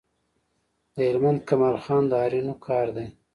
د هلمند کمال خان د آرینو کار دی